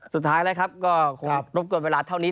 สุดท้ายแล้วครับก็คงรบกวนเวลาเท่านี้